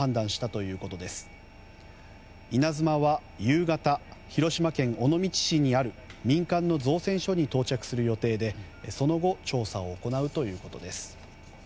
「いなづま」は夕方広島県尾道市にある民間の造船所に到着する予定でその後、調査を行うということです。